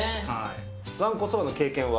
わんこそばの経験は？